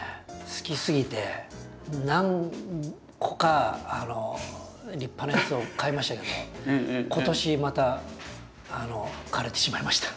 好きすぎて何個か立派なやつを買いましたけど今年またあの枯れてしまいました。